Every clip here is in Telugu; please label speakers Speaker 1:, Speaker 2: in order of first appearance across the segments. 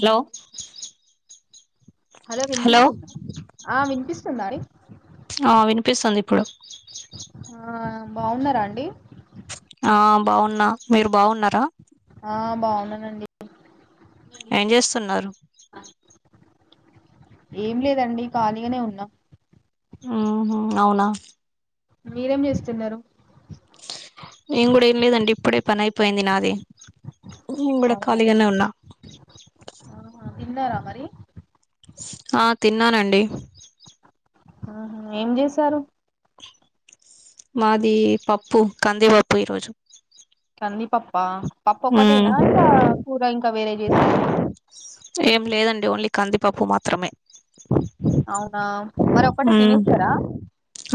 Speaker 1: హలో.
Speaker 2: హలో వినిపిస్తుందా ఆహ్ వినిపిస్తుందా అండి.
Speaker 1: ఆహ్ వినిపిస్తుంది ఇప్పుడు.
Speaker 2: ఆహ్ బాగున్నారా అండి.
Speaker 1: ఆహ్ బాగున్నా మీరు బాగున్నారా.
Speaker 2: ఆహ్ బాగున్నానండి.
Speaker 1: ఏం చేస్తున్నారు.
Speaker 2: ఏం లేదండి ఖాళీగానే ఉన్నా.
Speaker 1: ఉహు అవునా.
Speaker 2: మీరేం చేస్తున్నారు.
Speaker 1: నేను కూడా ఏం లేదండి ఇప్పుడే పనైపోయింది నాది ఉ కూడా
Speaker 2: అవునా
Speaker 1: కాలిగానే ఉన్నా.
Speaker 2: ఆహా తిన్నారా మరి.
Speaker 1: ఆహ్ తిన్నానండి.
Speaker 2: ఆహా ఏం చేసారు.
Speaker 1: మాది పప్పు కందిపప్పు ఈరోజు.
Speaker 2: కందిపప్ప పప్పు
Speaker 1: ఉమ్
Speaker 2: ఒక్కటేనా ఇంకా కూర ఇంకా వేరే చేసారా.
Speaker 1: ఏం లేదండి ఓన్లీ కందిపప్పు మాత్రమే.
Speaker 2: అవునా మరి ఒక్కటే
Speaker 1: ఉమ్
Speaker 2: తినేస్తారా.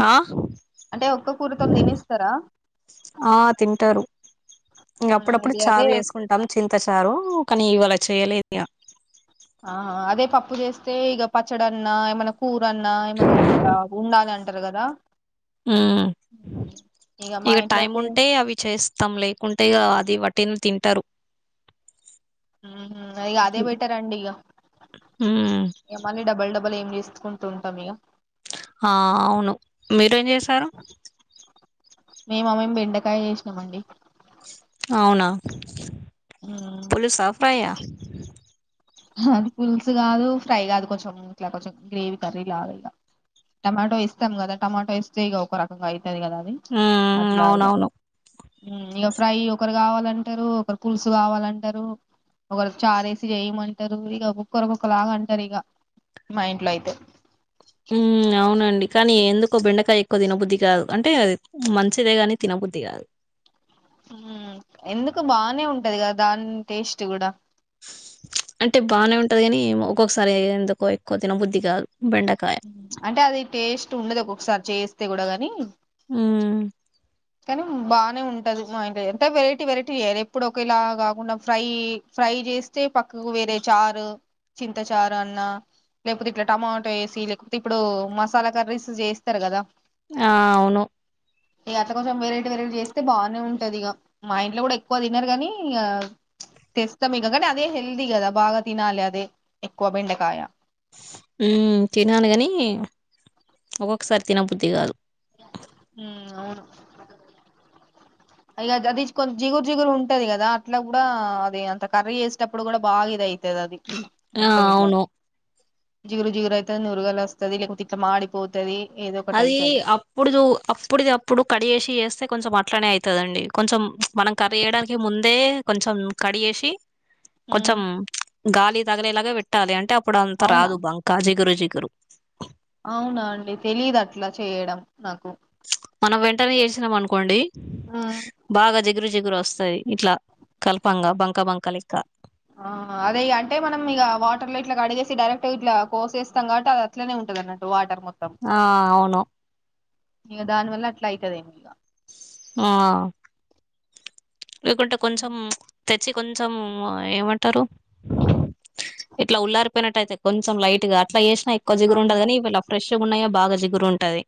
Speaker 1: ఆ
Speaker 2: అంటే ఒక్క కూరతోని తినేస్తారా.
Speaker 1: ఆహ్ తింటారు. ఇంక
Speaker 2: ఉమ్,
Speaker 1: అప్పుడప్పుడు
Speaker 2: ఇది అదే
Speaker 1: చారు చేసుకుంటాము చింత చారు కానీ ఇవాళ చేయలేదు ఇగ.
Speaker 2: ఆహ్ అదే పప్పు చేస్తే ఇగ పచ్చడన్న ఏమన్నా కూ. మన్న ఏమన్నా ఇట్లా ఉండాలి అంటారు కదా.
Speaker 1: ఉమ్
Speaker 2: మా
Speaker 1: ఇక
Speaker 2: ఇంట్లో
Speaker 1: టైం
Speaker 2: అయితే
Speaker 1: ఉంటే అవి చేస్తాం లేకుంటే ఇక అది వట్. ట్టిన్ తింటారు.
Speaker 2: ఉమ్ ఇగ అదే బెటర్ అండి ఇగ
Speaker 1: హ్మ్
Speaker 2: ఇగ మళ్లీ డబల్ డబల్ ఏం చేస్తా. చేసుకుంటూ ఉంటాం ఇగ.
Speaker 1: ఆహ్ అవును మీరేం చేశారు.
Speaker 2: మేమా మేం బెండకాయ చేసినాంమండి.
Speaker 1: అవునా పులుసా ఫ్రై ఆహ్.
Speaker 2: ఆహ్ అది పులుసు గాదు ఫ్రై గాదు. కొంచెం ఇట్లా కొంచెం గ్రేవీ కర్రీలాగా ఇగ. టమాటో ఎస్తాం గదా, టమాటో ఎస్తే ఇగ ఒక రకంగా అయి. ఉంటాది కదా అని
Speaker 1: హ్మ్.
Speaker 2: అట్లా ఇగ.
Speaker 1: అవునవును.
Speaker 2: ఉమ్ ఇగ ఫ్రై ఒకరు కావాలంటారు ఒకరు పులుసు కావాలంటారు. ఒక్కరు చారేసి జేయమంట్ అంటారు. ఇగ ఒక్కొక్కరు ఒక్కొక్కలాగా అంటారు. ఇగ మా ఇంట్లో అయితే.
Speaker 1: మ్మ్, అవునండి. కానీ ఎందుకో బెండకాయ ఎక్కువ తినబుద్ధి కాదు. అంటే అది మంచిదే గానీ, తినబు బుద్ది కాదు.
Speaker 2: ఉమ్ ఎందుకు బానే ఉంటది గదా దాని టేస్ట్ గూడా.
Speaker 1: ప్చ్ అంటే బానే ఉంటది గానీ ఒక్కొక్కసారి ఎందుకో ఎక్కువ తినబుద్ధి కాదు. బెండకాయ.
Speaker 2: ప్చ్ అంటే అది టేస్ట్ ఉండదు ఒక్కొక్కసారి చేస్తే గూడా గానీ.
Speaker 1: ఉమ్మ్.
Speaker 2: కానీ బానే ఉంటది. మా ఇంట్లో చే అంటే వెరైటీ వెరైటీ చేయాలి ఎప్పుడు ఒకేలాగా కాకుండా ఫ్రై ఫ్రై. ఇది చేస్తే పక్కకు వేరే చారు చింత చారు అన్నా. లేకపోతే ఇట్లా టమాటో ఏసి లేకపోతే ఇప్పుడు మసాలా కర్రీస్ చేస్తరు కదా.
Speaker 1: ఆహ్ అవును.
Speaker 2: ఇగ అట్. అత్త కోసం వెరైటి వెరైటి జేస్తే బానే ఉంటది. ఇగ మా ఇంట్లో గూడా ఎక్కువ తినారు గానీ. ఇగ తెస్తం ఇగా గానీ అదే హెల్దీ కదా బాగా తినాలి అదే ఎక్కువ బెండకాయ.
Speaker 1: ఉమ్ తినలే గానీ ఒక్కొక్కసారి తినబుద్ధి కాదు.
Speaker 2: ఉమ్ అవును. ఇగా గాదిచూకొని జిగురు జిగురు ఉంటది కదా అట్లా కూడా అది అంత కర్రీ చేసేటప్పుడు కూడా బాగా ఇదయ్యేది. ఇదైతది
Speaker 1: హ్మ్. ఆ!
Speaker 2: మొత్తం ఇట్లా.
Speaker 1: అవును.
Speaker 2: జిగురు జిగురు అయితది నురగలు వస్తాది. లేకపోతే ఇట్లా మాడిపోతది. ఏదో ఒకటి అయితది.
Speaker 1: ఇప్పుడుదు అప్పుడుదప్పుడు కడిగేసి చేస్తే కొంచెం అట్లనే అయితదండి కొంచం మనం కర్రీ చేయడానికి ముందు. ముందే కొంచెం కడిగేసి.
Speaker 2: ఉమ్
Speaker 1: కొంచెం గాలి తగిలేలాగా పెట్టాలి అంటే అప్పుడు అంత
Speaker 2: అవునా
Speaker 1: రాదు బంక, జిగురు జిగురు. కరు.
Speaker 2: అవునా అండి తెలీదు అట్లా చేయడం. నాకు
Speaker 1: మనం వెంటనే చేసినాం అనుకోండి బాగా జిగ్ జిగురు జిగురు వస్తాది ఇట్లా కలపంగా బంక బంక లెక్క.
Speaker 2: ఆహ్ అదే ఇగ అంటే మనం ఇగ వాటర్ లో ఇట్లా కడిగేసి డైరెక్ట్ ఇట్లా కోసేస్తాం గాబట్టి అది అట్లనే ఉం. To గానట్లు what.
Speaker 1: ఆహ్ అవును.
Speaker 2: ఇగ దాని వల్ల అట్లా అయితదేమో ఇగ.
Speaker 1: ఆహ్ లేకుంటే కొంచెం తెచ్. చీ కొంచెం ఏమంటారు. ఇట్లా ఉల్లారిపోయినట్టైతాయి. కొంచం లైట్ గా అట్లా జేసినా ఎక్కువ జిగురు
Speaker 2: ఆహా
Speaker 1: ఉండదుగానీ ఈవాళ ఫ్రెష్ ప్చ్. పచ్చగా ఉన్నాయే బాగా జిగురు ఉంటది.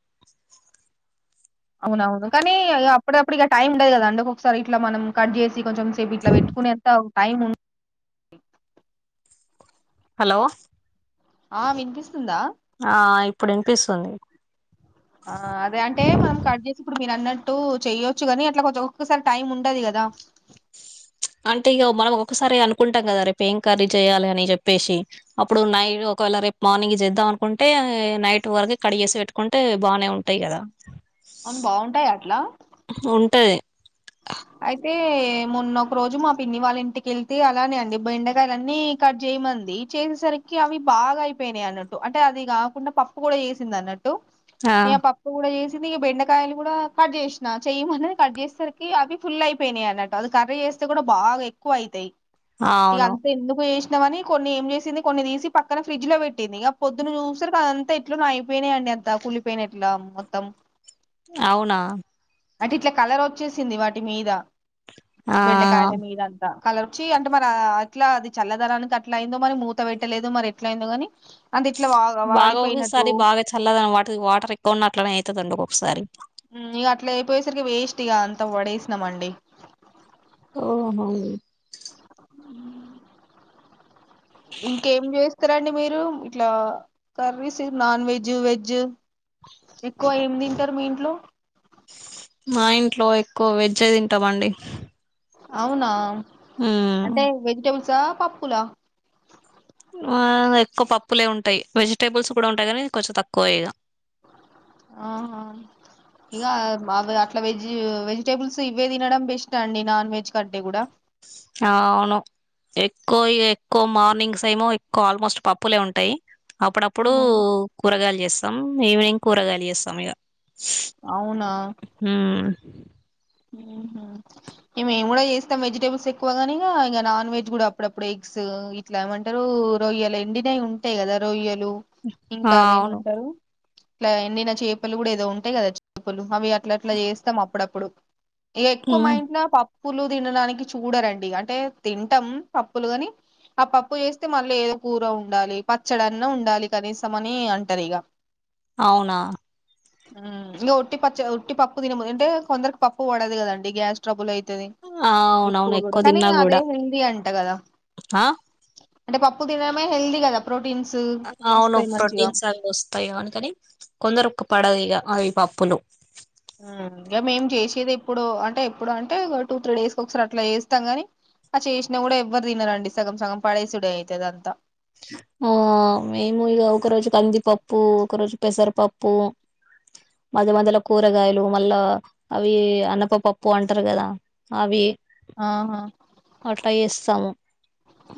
Speaker 2: అవును అవును కానీ ఇగ అప్పుడిదప్పుడు ఇక టైం ఉండదు కదా అండి ఒక్కొక్కసారి ఇట్లా మనం కట్ జేసు. ఇది కొంచం సేపు ఇట్లా పెట్టుకునేంత టైం ఉం.
Speaker 1: హలో.
Speaker 2: ఆ వినిపిస్
Speaker 1: ఆ ఇప్పుడు ఇనిపిస్తుంది.
Speaker 2: ఆ అదే అంటె, మనం కట్ జేసీ ఇప్పుడు మీరు అన్నట్ టు చెయ్యొచ్చు గని అట్ల కొంచం ఒక్కొక్కసారి టైం ఉండది కద
Speaker 1: అంటే ఇగ మనం ఒక్కొక్కసారి అనుకుంటం కద, రేపేం కర్రీ చేయ్యాలి అని చెప్పేసి, అప్పుడు నైట్ ఒక ఒకవేళ రేపు మార్నింగ్ చేద్దాం అనుకుంటే, నైట్ వరకు కడిగేసి వెట్టుకుంటే బానే ఉంటయి గదా.
Speaker 2: అవును బాగుంటయ అట్ల
Speaker 1: ఉంటది
Speaker 2: అయితే మొన్నొ ఒక రోజు మా పిన్ని వాళ్ళ ఇంటికెళ్తే అలానే అండి బెండకాయలన్ని కట్ జేయమంది చేసేసరికి అవి బాగ అయిపోయినాయి అన్నట్టు అంటె అది కాకుండ పప్పు కూడ చేసింది అన్నట్టు
Speaker 1: ఆ
Speaker 2: ఇగ పప్పు కూడ చేసింది ఇగ బెండకాయలు కూడ కట్ చేసిన చెయ్యి అన్నది కట్ చేసే సరికి అవి ఫుల్ అయిపోయినాయి అన్నట్టు అది కర్రీ చేస్తే కూడ బాగ ఎక్కువ అవుతయి ఇగ
Speaker 1: అవును
Speaker 2: అంత ఎందుకు చేశిన అని కొన్ని ఏం చేసింది కొన్ని తీసి పక్కన ఫ్రిడ్జ్ లో పెట్టింది ఇక పొద్దున్న చూసే సరికి అదంత ఎట్లనో అయిపోయినయండి. అంత కుళ్ళిపోయినట్ల మొత్తం
Speaker 1: అవున
Speaker 2: అంటే ఇట్ల కలర్ ఒచ్చేసింది వాటి మీద
Speaker 1: ఆ
Speaker 2: బెండకాయల మీద అంత కలర్చి అంటే మరి అట్ల అది చల్లదనానికి అట్ల అయిందో మరి మూత పెట్టలేదు మరి ఎట్ల అయిందో గని
Speaker 1: బాగ ఒకసారి బాగ చల్లదనం వాటర్ వాటర్ ఎక్కువ ఉన్న అట్లనే అయితదండి ఒక్కొక్కసారి
Speaker 2: ఉమ్ ఇగ అట్ల అయిపోయేసరికి వేస్ట్ ఇగ అంత పడేసినమండి
Speaker 1: ఊ హు
Speaker 2: ఇంకేం చేస్తరండి మీరు ఇట్ల కర్రీస్ నాన్ వెజ్, వెజ్ ఎక్కువ ఏమి తింటరు మీ ఇంట్లో
Speaker 1: మా ఇంట్లో ఎక్కువ వెజ్ తింటమండి
Speaker 2: అవునా అంటె వెజిటేబుల్సా? పప్పుల?
Speaker 1: ఆ ఎక్కువ పప్పులే ఉంటయి వెజిటేబుల్స్ కూడ ఉంటయి కాని కొంచెం తక్కువ ఇగ
Speaker 2: ఆహా ఇట్ల వెజ్ వెజిటేబుల్స్ ఇవే తినడం బెస్ట్ అండి నాన్ వెజ్ కంటే కూడ
Speaker 1: ఆ అవును ఎక్కువ ఎక్కువ మార్నింగ్స్ ఏమో ఎక్కువ ఆల్మోస్ట్ పప్పులె ఉంటయి అప్పుడప్పుడు
Speaker 2: ఉమ్.
Speaker 1: కూరగాయలు చేస్తం ఈవినింగ్ కూరగాయలు చేస్తం ఇగ
Speaker 2: అవున ఊ హుమ్మ్ మేము కూడ చేస్తం వెజిటబుల్స్ ఎక్కువ గాని ఇగ నాన్ వెజ్ కూడ అప్పుడప్పుడు ఎగ్స్ ఇట్ల ఏమంటరు రొయ్యలు ఎండినవి ఉంటయి కద రొయ్యల్ లు ఇంక
Speaker 1: ఆ
Speaker 2: అవి
Speaker 1: అవును
Speaker 2: ఏమంటరు ఇట్ల ఎండిన చేపలు కూడ ఏదో ఉంటయి కద చేపలు అవి అట్ల అట్ల చేస్తం అప్పుడప్పుడు ఎక్కువ మా
Speaker 1: ఉమ్,
Speaker 2: ఇంట్లో పప్పులు తినడానికి చూడరండి అంటె తింటం పప్పులు గని ఆ పప్పు చేస్తే మళ్ళీ ఏదో కూర ఉండాలి పచ్చడన్న ఉండాలి కనీసం అని అంటరు ఇగ
Speaker 1: అవునా
Speaker 2: ఇంక ఉట్టి పచ్ ఉట్టి పప్పు తిన అంటె కొందరికి పప్పు పడదు కదండి గ్యాస్ ట్రబుల్ అయి అది
Speaker 1: ఆ,
Speaker 2: ఎక్కువ
Speaker 1: అవునవును
Speaker 2: కూడ కానీ
Speaker 1: తిన్నా
Speaker 2: అదే
Speaker 1: కూడా
Speaker 2: హిందీ అంట కద
Speaker 1: ఆ
Speaker 2: అంటె పప్పు తినడమే హెల్దీ కద ప్రోట్
Speaker 1: అవును ప్రోటీన్స్ అవి వస్తయి అందుకని కొందరుకు పడదు ఇగ అవి పప్పులు
Speaker 2: ఉమ్ ఇగ మేం చేసేది ఎప్పుడో అంటె ఎప్పుడు అంటె ఒక టూ త్రీ డేస్కి ఒకసారి అట్ల చేస్తం గాని ఆ చేసిన కూడ ఎవ్వరు తిననరండి సగం సగం పడేసుడె అయితది అంత
Speaker 1: ఆ మేము ఇగ ఒక రోజు కందిపప్పు ఒక రోజు పెసరపప్ పో మధ్య మధ్యల కూరగాయలు మళ్ళా అవి అన్నపపప్పు అంటరు గదా అవి
Speaker 2: ఆహా
Speaker 1: అట్ల ఏస్తాము.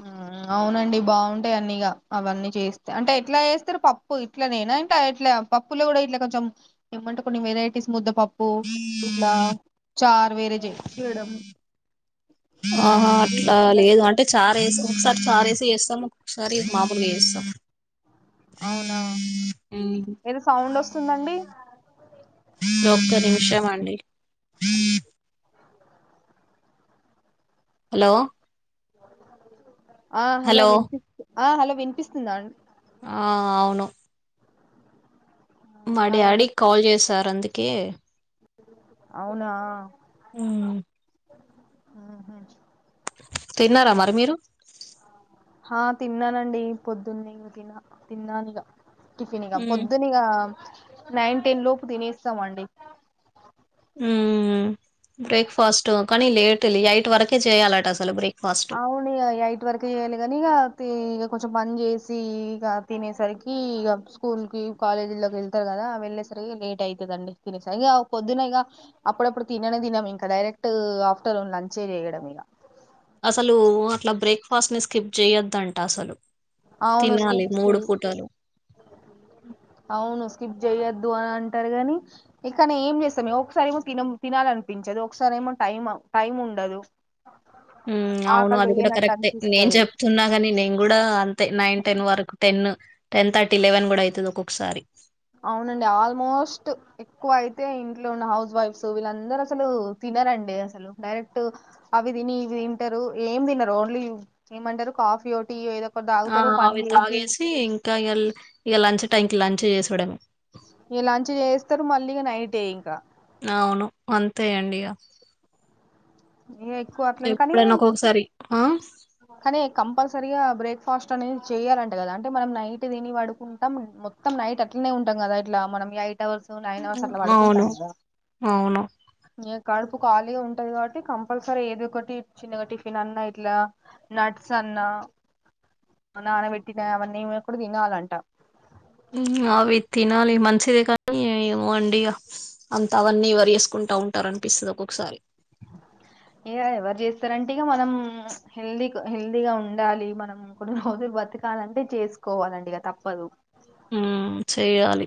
Speaker 2: ఆ అవునండి బాగుంటయి అన్నిగ అవన్నీ చేస్తే అంటే ఎట్లా చేస్తారు పప్పు ఇట్ల నేనా ఇంకా ఎట్ల పప్పులో గుడా ఇట్ల కొంచం ఏమంటే కొన్ని వెరైటీస్ ముద్ద పప్ పూ ఇట్లా చార్ వేరే చే చేయడం
Speaker 1: ఆహా
Speaker 2: అది ఇది
Speaker 1: అట్లా
Speaker 2: అంటారు
Speaker 1: లేదు
Speaker 2: కదా
Speaker 1: అంటే చార్ ఏస్ ఒకసార్ చారేసి చేస్తాం ఒక్కొక్కసారి మామూల్గ ఏస్తాం.
Speaker 2: అవునా ఏదో సౌండ్ వస్తుందండి?
Speaker 1: ఒక్క నిమిషమండి హలో!
Speaker 2: ఆ హలో విన్పిస్ ఆ హలో విన్పిస్తుందా అం
Speaker 1: ఆ అవును మా డాడీ
Speaker 2: అదేదో
Speaker 1: కాల్ చేసార్ అందుకే
Speaker 2: అవునా ఆహ
Speaker 1: తిన్నరా మరి మీరు
Speaker 2: ఆ తిన్ననండి పొద్దున్నే ఇంగ తిన్న తిన్నానిగ టిఫిన్ ఇగ పొద్దునిగా నైన్ టెన్ లోపు తినేస్తమండి.
Speaker 1: ఉమ్ బ్రేక్ఫాస్ట్ కనీ లేట్ ఎయిట్ వరకే చేయాలట అసలు బ్రేక్
Speaker 2: అవునిగ ఎయిట్ వరకే చేయాలి గని ఇగ తీ కొంచం పన్ చేసి ఇగ తినేసరికి ఇగ స్కూల్కి, కాలేజ్లక్ వెళ్తారు కదా వెళ్ళే సరికి లేట్ అయితదండి తినేసరికి ఇగ పొద్దున్న ఇగ అప్పుడప్పుడు తిననే తినము ఇంకా డైరెక్ట్ ఆఫ్టర్ లంచే చేయడం ఇగ
Speaker 1: అసలు అట్ల బ్రేక్ఫాస్ట్ని స్కిప్ చేయద్దంట అసలు
Speaker 2: అవును
Speaker 1: తినాలి
Speaker 2: స్కిప్
Speaker 1: మూడు
Speaker 2: చెయ్
Speaker 1: పూటలు.
Speaker 2: [unintelligible] అవును స్కిప్ చెయద్దు అన్ అంటర్ గని ఇంక నేం చేస్తాంమే ఒకసార్ ఏమో తినం తినాల్ లన్పించదు ఒక్సార్ ఏమో టైం టైం ఉండదు. ఆ
Speaker 1: హ్మ్. అవును అది కూడా కరెక్టే నేన్ చెప్తున్నా గని నేను గుడా అంతే నైన్ టెన్ వరకు టెన్ టెన్ థర్టీ లెవెన్ గుడా అయితది ఒక్కొక్సారి
Speaker 2: అవునండి ఆల్మోస్ట్ ఎక్కువ అయితే ఇంట్లో ఉన్న హౌస్ వైఫ్స్ వీళ్ళందర్ అసలు తి తినరండి అసలు డైరెక్ట్ అవి తిని ఇవి తింటరు ఏ తినరు ఓన్లీ ఏమంటరు కా కాఫియో, టీయే ఏదో ఒకటి
Speaker 1: ఆ
Speaker 2: తాగుతారు పని
Speaker 1: అవి
Speaker 2: చేసి
Speaker 1: తాగేసి ఇంకా ఎల్ ఇగ లంచ్ టైంకిి లంచ్ చేసడమే
Speaker 2: స్తరు మళ్ళీ నైటే ఇంకా
Speaker 1: అవును అంతే అండి ఇగ
Speaker 2: ఏయ్
Speaker 1: ఎప్పుడైనా ఒక్కొక్సారి
Speaker 2: కనీ కంపల్సరిగా బ్రేక్ఫాస్ట్ అనేది చేయరంటే కదా అంటే మనం నైట్ తిని పడుకుంటాం మొ మొత్తం నైట్ అట్లనే ఉంటం కదా ఇట్లా మనం eight eight hours, nine hours అట్ల
Speaker 1: అవును.
Speaker 2: పడుకుంటం కదా
Speaker 1: అవును.
Speaker 2: కడుపు ఖాళీగా ఉంటది కాబట్టి కంపల్సరీ ఏదో ఒకటి చిన్నగా టిఫిన్ అన్నా ఇట్లా నట్స్ అన్నా నాన పెట్టినవన్నీ మేం ఇప్పుడు తినాలంట
Speaker 1: ఆవితినాలి మంచిది కానీ ఎమో అండి గా అంత అవన్నీ వరి వేసుకుంటా ఉంటారు అనిపిస్తుంది ఒక్కొక్కసారి
Speaker 2: ఇగ ఎవరు చేస్తారంటే ఇగ మనం హెల్దీ హెల్దీగా ఉండాలి మనం కూడా రోజు బతకాలంటే చేసుకోవాలండి ఇగ తప్పదు
Speaker 1: ఉ చెయాలి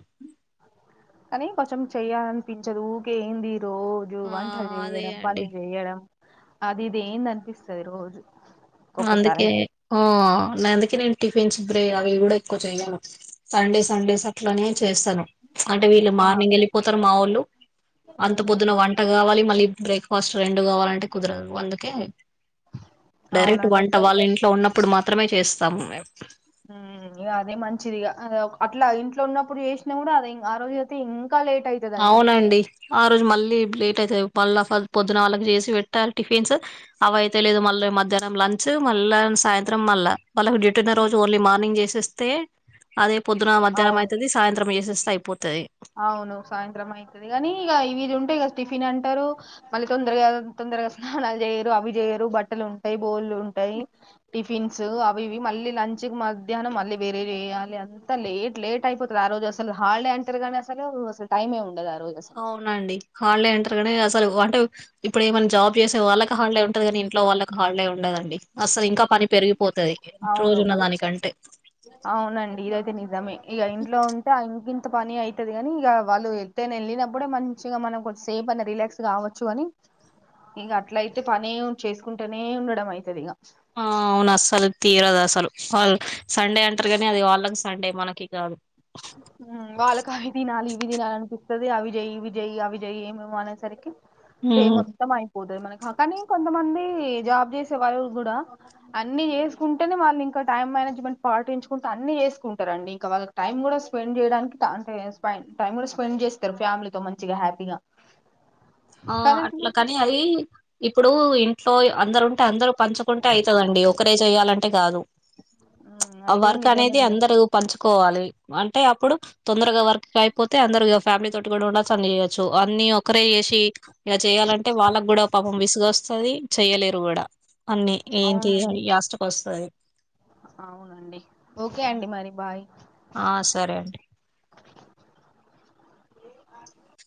Speaker 2: కానీ కొంచెం చెయ్యాలనిపించదు ఊకే ఏంది రోజు
Speaker 1: ఆ!
Speaker 2: వంట
Speaker 1: అదే
Speaker 2: చేయడం
Speaker 1: అండి.
Speaker 2: పనులు చేయడం అది ఇది ఏందనిపిస్తది రోజు ఒక్కొక్కసారి
Speaker 1: అందుకే
Speaker 2: అయితే
Speaker 1: ఆ అందుకే నేను టిఫిన్ శుబ్రె అవి కూడా ఎక్కువ చేయను సండే సండేస్ అట్లనే చేస్తాను అంటే వీళ్ళు
Speaker 2: ఆ
Speaker 1: మార్నింగ్ ఎళ్ళిపోతారు మా వాళ్ళు అంత
Speaker 2: మ్హూ.
Speaker 1: పొద్దున వంట గావాలి మలి బ్రేక్ఫాస్ట్ రెండు కావాలంటే కుదరదు అందుకే డైరెక్ట్
Speaker 2: అవునండి
Speaker 1: వంట
Speaker 2: అట్లయితే
Speaker 1: వాళ్ళ ఇంట్లో ఉన్నప్పుడు మాత్రమే చేస్తాము మేము
Speaker 2: ఇగ అదే మంచిదిగా అట్లా ఇంట్లో ఉన్నప్పుడు చేసినా కూడా అదే ఆ రోజు అయితే ఇం
Speaker 1: అవునండి ఆ రోజు మళ్ళీ లేట్ అయితాయి మళ్ళీ పొద్దున వాళ్ళకి చేసి పెట్టాలి టిఫిన్స్ అవైతయో లేదు మళ్ళీ మధ్యాహ్నం లంచ్ మళ్ళా సాయంత్రం మల్ల వాళ్ళకి డ్యూటీ ఉన్న రోజు
Speaker 2: హ్మ్
Speaker 1: ఓన్లీ మార్నింగ్ చేసేస్తే అదే పొద్దున్న మధ్యాహ్నం
Speaker 2: అవును
Speaker 1: అయితది సాయంత్రం చేసేస్ అయిపోతది
Speaker 2: అవును సాయంత్రం అయితది గాని ఇగ ఇవిది ఉంటయ్ ఇగ టిఫిన్ అంటారు మళ్ళీ తొందరగా తొందరగా స్నానాలు చేయరు అవి చేయరు బట్టలు ఉంటాయి బోల్లు ఉంటాయి టిఫిన్స్ అవి ఇవి మళ్ళీ లంచ్ మధ్యాహ్ం మళ్ళీ వేరే వయాలింతా లేట్ లేట్ అయిపోతుంది ఆ రోజు అసలు హాలీడే అంటారు కానీసలు టైమే ఉన్
Speaker 1: అవునండి హాలీడే అంటరు గని అసలు అంటే ఇప్పుడు ఏమైనా జాబ్ చేసే వాళ్ళకి హాలిడే ఉంటది గాని ఇంట్లో వాళ్ళకి హాలిడే ఉండదండి అసలు ఇంకా పని పెరిగి
Speaker 2: అవును అవునండి ఇదైతే నిజమే ఇగ ఇంట్లో ఉంటే ఆ ఇంకి త్త పని అయితుది గని ఇగ వాళ్ళు వెళ్తేనే వెళ్ళినప్పుడే మంచిగా మనం కొంచం సేఫ్ అని రిలాక్స్ కావచ్చు గని ఇంగ అట్ల అయితే పని చేసుకుంటేనే ఉండడం అయితది ఇగ
Speaker 1: ఆ అవును అస్సలు తీరదసలు వాళ్ళ సండే అంటరు కానీ అది వాళ్ళకి సండే మనకి కాదు
Speaker 2: వాళ్ళకి అవి తినాలి ఇవి తినాలి అనిపిస్తది అవి జెయ్యి ఇవి జెయ్యి అవి జెయ్యి ఏమేమో అనేసరికి డే
Speaker 1: హ్మ్.
Speaker 2: మొత్తం అయిపోదది మనకి కానీ కొంతమంది జాబ్ చేసే వాళ్ళ కూడా అన్ని చేసుకుంటేనే వాళ్ళు ఇంకా టైం మేనేజ్మెంట్ పాటించుకుంటే అన్ని చేసుకుంటారండి ఇంక వాళ్ళకి టైం కూడా స్పెండ్ చేయడానికి టైం కూడా స్పెండ్ చేస్తారు ఫ్యామిలీతో మంచిగా హ్యాపీగా
Speaker 1: ఆ
Speaker 2: కరెక్ట్గా
Speaker 1: అట్లా కని అది ఇప్పుడు ఇంట్లో అందరు ఉంటే అందరు పంచుకుంటే అయితదండి ఒకరే చెయాలంటే కాదు ఆ
Speaker 2: అది కూడా
Speaker 1: వర్క్
Speaker 2: నిజమే
Speaker 1: అనేది
Speaker 2: అండి
Speaker 1: అందరు పంచుకోవాలి అంటే అప్పుడు తొందరగా వర్క్ అయిపోతే అందరు ఫ్యామిలీ తోటి కూడా ఉండాల్సి అని చేయచ్చు అన్ని ఒకరే చేసి ఇలా చెయాలంటే వాళ్ళకు కూడా పాపం విసుగస్తుది చెయలేరు కూడా అన్నీ ఏంటి
Speaker 2: అవునండి
Speaker 1: యాస్ట్కొస్తది
Speaker 2: అవునండి ఓకే అండి మరి బాయ్
Speaker 1: ఆ సరే అండి